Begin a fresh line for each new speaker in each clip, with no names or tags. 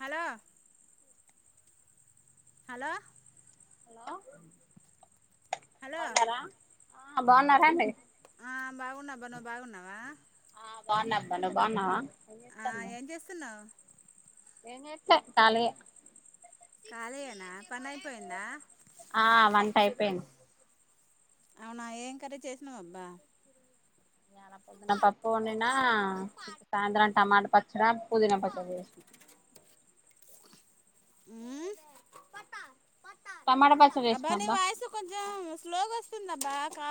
Hello hello
hello
hello
బాగున్నారా
ఆ బాగున్నా బా నువ్ బాగున్నావా
బాన్నాన్నారబ్బా నువ్వు
ఆ
బావున్నావా
ఏం చేస్తున్నావు
ఎం జేతావ్ కాళియే
కాలియేనా
ఆ వంట అయిపోయింది
అవునా ఏం కర్రీ చేసినావబ్బా
ఇయాల పొద్దున పప్పు వండిన సాయంత్రం టమాట ప చరా పుదిన పచ్చడి జెసిన
మ్మ్
టమాటా పచ్చడి
అబ్బా
చేసినా
నీ వాయిసు కొంచెం స్లోగా వస్తుంది అబ్బా కా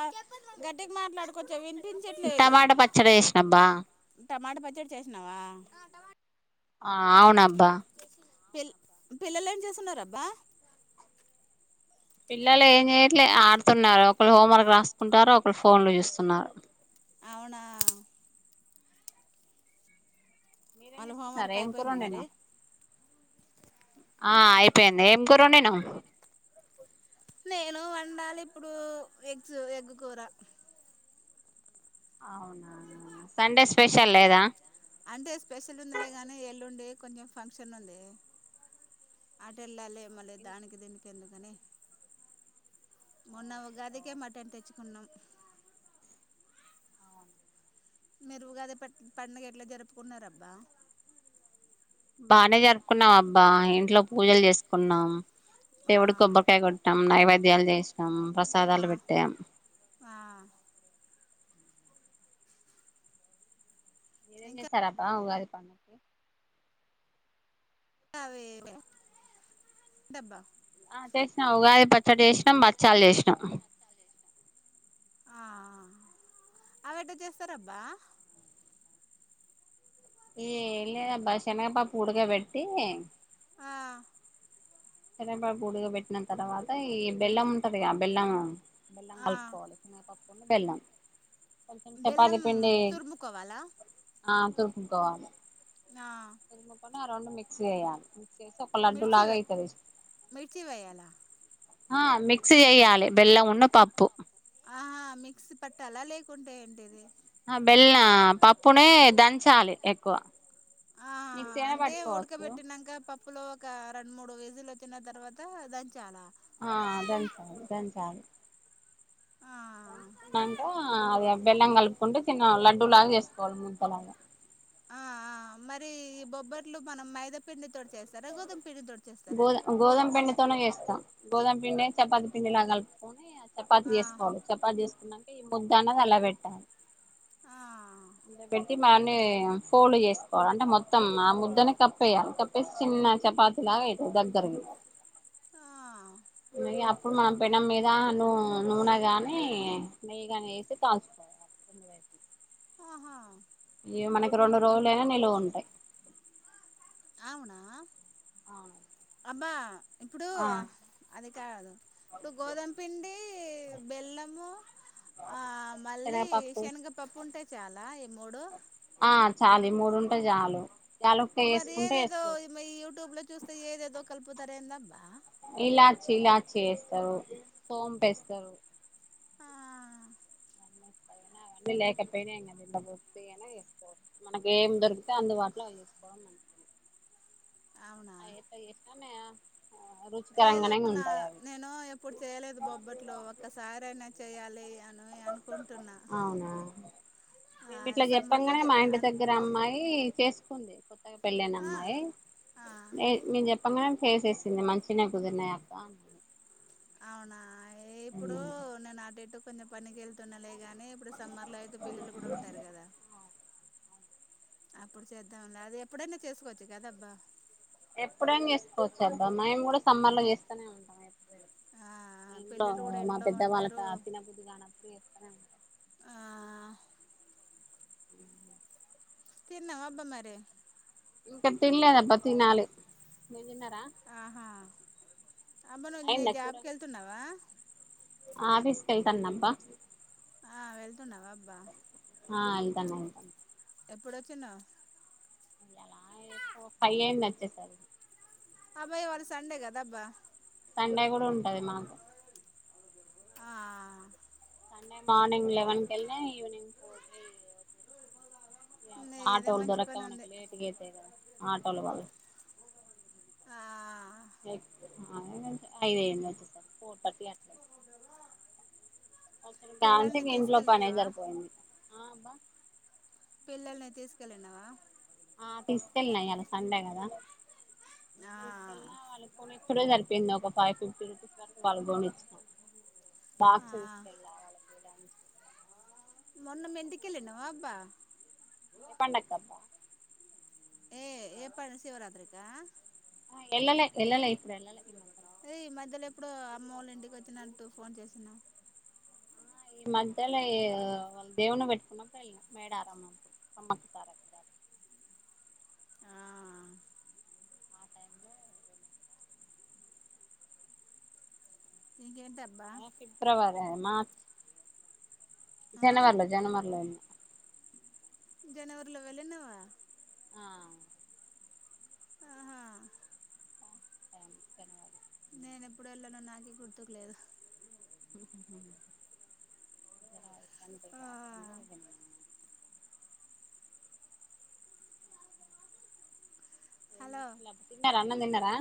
గట్టిగ మాట్లాడు కొంచం వినిపించట్లేదు
టమాటా పచ్చడి చేసినబ్బా
టమాటా పచ్చడి చేసినావా
ఆ అవునబ్బా
పిల్ పిల్లలు ఏం చేస్తున్నారు అబ్బా
పిల్లలు ఏం చేయట్లే ఆడుతున్నారు ఒకళ్ళు హోంవర్క్ రాసుకుంటారు ఒకళ్ళు ఫోన్లు చూస్తున్నారు
అవునా
మీరేం
వాళ్ళ
చేస్తున్నారు
హోంవర్క్
ఏం కూర
అయిపోయిందా మరి
వండినవ్ ఆ అయిపోయింది ఏం కుర్రా వండినావ్
నేను వండాలి ఇప్పుడు ఎగ్స్ ఎగ్గుకూర
అవునా సండే స్పెషల్ లేదా
అంటే స్పెషల్ ఉందిలేగాని ఎల్లుండి కొంచెం ఫంక్షన్ ఉంది అటెల్లాలి మళ్ళీ దానికి దీనికి ఎందుకని మొన్న ఉగాది కే మటన్ తెచ్చుకున్నాం మీరు ఉగాది ప పండుగ ఎట్లా జరుపుకున్నారు అబ్బా
బానే జరుపుకున్నాం అబ్బా ఇంట్లో పూజలు జేసుకున్నాం
ఆ
దేవుడికి కొబ్బరికాయ కొట్టాం నైవేద్యాలు చేసినం
ఆ
ప్రసాదాలు పెట్టాం
ఆ
మీరేం
ఇంకా
చేశారు అబ్బ ఉగాది పండగ కి
అవే డబ్బా
ఆ చేసినా ఉగాది పచ్చడి చేసినం భచ్చాలు చేసినం
ఆ అవి ఎట్టా చేస్తారబ్బా
ఏ లేదబ్బా శనగ పప్పు ఉడకభెట్టి
ఆ
శెనగపప్పు ఉడక పెట్టిన తర్వాత ఈ బెల్లం ఉంటదిగా బెల్లం బెల్లం
ఆ
కలుపుకోవాలి చిన్న పప్పును బెల్లం కొంచెం చపాతి
బెల్లం
పిండి
తురుముకోవాలా
ఆ తురుపుకోవాలి
ఆ
తురుముకొని ఆ రెండు మిక్స్ చేయాలి చేసి ఒక లడ్డు
మిర్చి
లాగా
వెయ్యి
అయితది
మిర్చి వేయ్యాల
ఆ మిక్స్ చేయ్యాలి బెల్లం అను పప్పు
ఆహా మిక్స్ పట్టాలా లేకుంటే ఏంటది
ఆ బెల్ల పప్పునే దంచాలి ఎక్కువ
ఆ
మిక్సీ అయినా
అంటే
పట్టుకోవచ్చు
ఉడకబెట్టినంక పప్పు ప్పులో ఒక రెండు మూడు విజీలు వచ్చిన తర్వాత దంచాల
ఆ దంచాలి దంచాలి
ఆ
దంచుకున్నంక అది బెల్లం కలుపుకుంటే చిన్న లడ్డూలాగా చేసుకోవాలి ముద్దలాగా
ఆ ఆ మరి ఈ బొబ్బర్లు మనం మైదాపిండి తోటి
గోధ గోధుమ పిండితోనే చేస్తా గోదుమ పిండి చపాతి పిండిలా కలుపుకొని చపాతి
ఆ
చేసుకోవాలి చపాతి చేసుకున్నా ఈ ముద్ద అన్నది అలా పెట్టాలి
ఆ
ఇలా పెట్టి మామి ఫోల్డ్ చేసుకోవాలి అంటే మొత్తం ఆ ముద్దని కప్పేయాలి కప్పేసి చిన్న చపాతీ లాగా అయితది దగ్గరకి
హా
అప్పుడు మనం పెనం మీద నూ నూనె గాని నెయ్యి గాని వేసి కాల్చుకోవాలి
ఆహా
ఇగ మనకి రెండు రోజులైనా నిలువ ఉంటాయి
అవునా
అవును
అబ్బా ఇప్పుడు అది కాదు ఇప్పుడు గోధుమ పిండి బెల్లము ఆ మళ్ళీ
శనగపప్పు
శనగపప్పు ఉంటే చాలా ఈ మూడు
ఆ చాలు ఈ మూడు ఉంటే చాలు యాలుకాయ వేసుకుంటే వేసుకోవచ్చు
యూట్యూబ్ లో చూస్తే ఏదేదో కలుపుతారెంది అబ్బా
ఇలాచ్చి ఇలాచ్చి వేస్తారు సోంపేస్తారు
ఆ
అవన్నీ లేకపోయినాంండ పూర్తి అ వసుకో మనకి ఏం దొరికితే అందుబాటులో అవి చేసుకోవ [unintelligible]
అవునా
ఆయిల్ తో చేసినా
ఏదో
రుచికరంగానే
నా
ఉంటాయి అవి
నేను ఎప్పుడు చేయలేదు బొబ్బట్లు ఒక్కసారి అయినా చేయాలి అని అనుకుంటున్నా
అవునా
ఆ
మేము ఇట్లా
సమ్మర్లో
చెప్పంగనే
చే
మా ఇంటి
అన్
దగ్గర అమ్మాయి చేసుకుంది కొత్తగా పెళ్ళఅయిన
ఆ
అమ్మాయి
ఆ
లేదు మేం చెప్పంగానే వేసేసింది మంచినే కుదిరినాయి అక్క
అవునా ఇప్పుడు నేను అట ఇట్టు కొంచెం పనికి వెళ్తున్నాలేగాని అనే ఇప్పుడు సమ్మర్ లో అయితే పిల్లలు కూడా ఉంటారు కదా అప్పుడు చేద్దాం అది ఎప్పుడైనా చేసుకోవచ్చు కదాబ్బా
ఎప్పుడైనా చేసుకోవచ్చు మేము కూడా సమ్మర్ లో చేస్తనే ఉంటాం ఎప్పుడ
ఆ
మా ఇంట్లో
పిల్లలు కూడా
మా
ఇంట్లో
పెద్ద
ఉంటారు
వాళ్ళకిత్తిన బుద్ధు కా అనప్పుడు చెస్తనే ఉంటారు [unintelligible]
ఆ
అ
తిన్నావా అబ్బా మరి
ఇంక తిన లేదబ్బ తినాలి మీరు తిన్నారా
ఆహా అమ్మనున్నయి
అయిందా
జాబ్కి వెళ్తున్నావా
ఆఫీస్కెళ్తాన్నబ్బా
ఆ వెళ్తున్నావా అబ్బా
సర్లే ఉంటన్న
ఎప్పుడు వచ్చినా
ఇయ్యాల పై అయింది వచ్చే సరికి
అబ్బా ఇవాళ సండే కదాబ్బా
సండే గూడా ఉంటది మాకు
ఆ
అన్నే మార్నింగ్ లెవెన్ కెళ్నా ఈవనింగ్ ఫోర్ కీ [inaudible] [inaudible]
నీదే
ఆటోలు
మంచి
దొరక్క
పని
మనకి
ఉంది
లేట్ గ అయితయ్ గద ఆటోల వల్ల
ఆ
[inaudible] ఐదైంది ఒచ్చేసర్ ఫోర్ థర్టీ అ‌
పిల్లల్ని
[unintelligible] [inaudible] ఇంట్లో పనే
తీసుకెళ్ళినావా
సరిపోయింది ఆ అబ్బ
పిల్లల్ని తీసుకెళ్ళినవా
ఆ తీసుకెళ్ళిన ఇయాల సండే గదా
ఆ
తీస్కెల్నా వాళ్ళు ఫోన్ ఇచ్చుడే సరిపోయింది ఒక ఫై ఫిఫ్టీ రూపీస్ వరకు వాళ్ళ గొనిచ్చినా
ఆ
బాక్స్ తీసుకెళ్ళ వాళ్ళక్ [inaudible]
మొన్న మీ ఇంటికెల్లినవా అబ్బ
ఏ పండక్ అబ్బా
ఏ ఏ ప శివరాత్రికా
ఎల్లలే ఎల్లలే ఇప్పుడు ఎల్లలే ఈ మ
ఏయ్ ఈ మధ్యలో ఎప్పుడో అమ్మోళ్ళ ఇంటికి ఒచ్చినట్టూ ఫోన్ చేసిన
ఆ ఈ మధ్యల ఏ ఆ వాళ్ దేవున్ని పెట్టుకున్నప్పుడు ఎళ్ళిన మేడరం సమ్మక్క సారక్క జాతర
ఆ
ఆ టైమ్ లో
ఇంకేంటబ్బా
ఆ ఫిబ్రవరా మార్చ్
ఆ
జనవర్లో జనవర్లో ఎళ్న
జనవరిలో వెళ్ళినవా
ఆ
ఆహా
టైం [inaudible]
నేను ఎప్పుడు వెళ్ళానో నాకే గుర్తుకులేదు
ఉహుహుహు జనవరి అంటే ఇగ ఆ టైం లో [inaudible]
హలో
[inaudible] మరి అన్నం దిన్నరా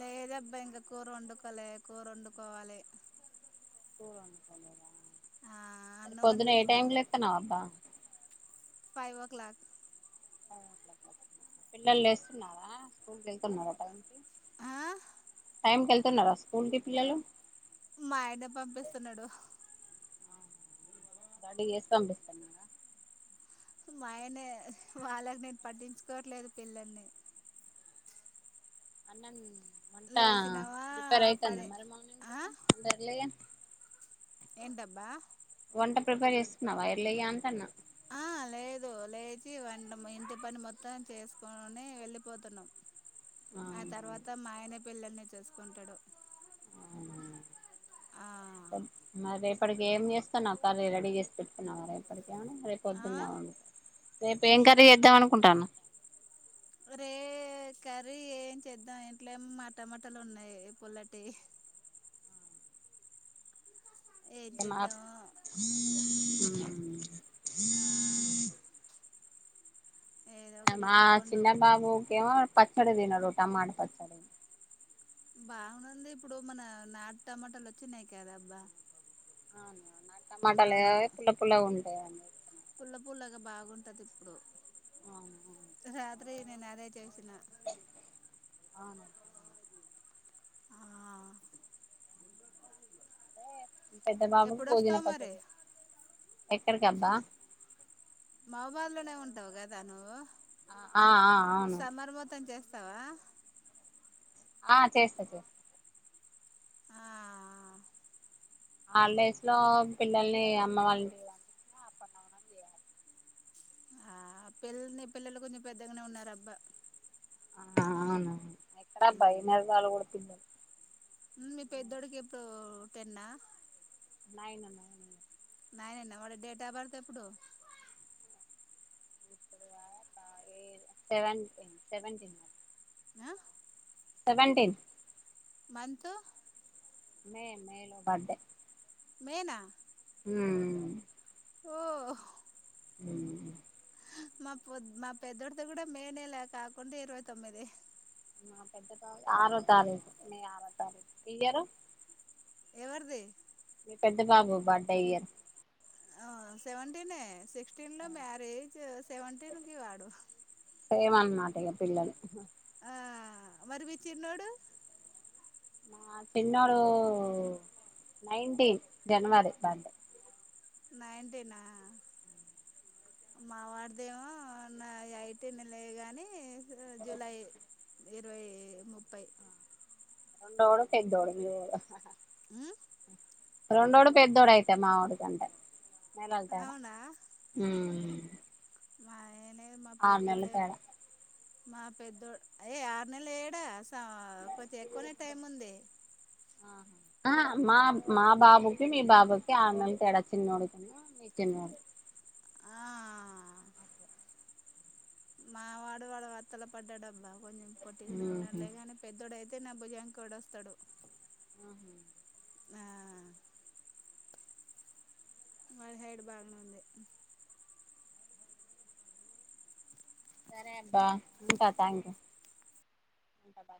లేదబ్బా ఇంక కూర ఒండుకోలే కూర ఒండుకోవాలి
కూర ఒండుకోలేదా సరే
అన్నం
పొద్దున్న ఏ
వండేసిన
టైం కి లేత్తన్నవ్ అబ్బా
ఫైవ్ ఓ క్లాక్
ఫైవ్ ఓ క్లాకా పిల్లలు లేస్తున్నారా స్కూల్ కి వెళ్తున్నారా టైం కి
ఆ
టైంకి ఎళ్తున్నారా స్కూల్ కి పిల్లలు
మా ఆయనే పంపిస్తున్నాడు
రడి చేసి పంపిస్తున్నాడా
మాయనే వాళ్ళకి నేను పట్టించుకోవట్లేదు పిల్లల్ని
అన్నం మంటా
లేచినావా
ప్రిపేర్
పని
అయితంద మరి మార్నింగ్
ఆ
పూట అంత ఎర్లీగ
ఏంటబ్బా
వంట ప్రిపేర్ చేస్తున్నావా ఎర్లీగా అంటన్నా
ఆ లేదు తు లేచి వంటం ఇంటి పని మొత్తం చేసుకొని వెళ్ళిపోతున్నం ఆ
అవునా
తర్వాత మా ఆయనే పిల్లల్ని చూసుకుంటడు
అవునా మరి రేపటికి ఏం చేస్తన్నావ్ కర్రీ రెడీ చేసి పెట్టుకున్నావా
ఆ
రేపడి రేపు ఏం కర్రీ ఏద్దాం అనుకుంటాన్న
రే ఏ కర్రీ ఏం చేద్దాం ఇంట్లో ఎం టమామటలు ఉన్నయ్ పుల్లటియి ఏం
ఏమా
చేద్దాం
ఊహూ
ఆ ఏదో ఒకటి
మా
పప్పండు
చిన్నన్న గోకేమో పచ్చడి దినడు టమాట పచ్చడి
బాగునుంది ఇప్పుడు మన నాటు టమాటాలు ఒచ్చినయ్ కదా అబ్బా
అవును [inaudible] నాటు టమాటాలే
అవును
పుల్ల పుల్ల ఉంటయ్ అన్ని
పుల్ల పుల్లగా బాగుంటది ఇప్పుడు
అవును అవును
రాత్రి నేను అదేచేసిన
అవున
ఆ
అదే పెద్ద బాబుకు భోజన
ఎప్పుడొస్తావు మరి
పచ్చదు ఎక్కడికబ్బా
ంటగాదానువు
ఆ ఆ అవును
చేస్తావా
ఆ చేస్తా చేస్తా
ఆ
హాలడేస్ లో పిల్లల్ని అమ్మ వాళ్ళని అపంచిన అ పడుాల
ఆ పిల్లల్ని పిల్లలు కొంచెం పెద్దగానే ఉన్నారు అబ్బా
ఆ, అవునవును ఎక్కడ
ఉమ్.
భయనేర వాళ్ళు కూడా పిల్లలు
మీ పె పెద్దోడుకి ఎప్పుడు టెన్నా
నైను నైనా
నయన వాడి డేట్ ఆఫ్ బర్త్ ఎప్పుడు
డువెన్ సెవెన్టిన్ మ
ఆ
సెవెంటీన్
మంత్
మే మే లో బర్డే
మేనా
ఉ
ఓ
అ
మాొ మా పెద్దడితో కూడా మేనేలే కాకుండా ఇరవై తొమ్మిది
పెద్ద తఖ ఆరో తారీఖు న ఆరో తారీఖు ఇయరు
ఎవరిది
మీ పెద్ద బాబు బడే ఇయరు
ఆ సెవెంటీనే సిక్స్టీన్ లో మ్యారేజ్ సెవెంటీన్ కి వాడు
మాటగా పిల్లలు
ఆ మరి వీచిన్నోడు
నా చిన్నోడు నైన్ంటీన్ జనవరి బర్డే
నాయంటినా మా వాడిదేమో నా యైటినే గాని జూలై ఇరవై ముప్పై
రేండొడు పెద్దోడు మీవొడు
ఉ
రెండోడు పెద్దోడు అయితే మా వాడికంటే నేలళ్తేడా
అవునా మాయనే మా
ఆరు నెలల
పెద్దోడే
తేడా
మా పెద్దోడు ఏయ ఆరు నెల ఏడా కొంచెం ఎక్కువనే టైం ఉంది
ఆ మా మా బాబుకి మీ బాబుకి ఆమెంత ఎడచ్చింది నోడుతన్నా మీచిన్న
ఆ మా వాడు వాడు వతలు పడ్డాడబ్బా కొంచెం పొట్టుకనే
ఉహు
ఉన్నాడులే కానీ పెద్దడుయితే అతే నబ్బుజాంనికిడొస్తాడు
ఆ
ఆ వాళ హైడ్ బాగానే ఉంది
సరే అబ్బా ఉంటా థ్యాంక్ యూ ఉంటా బా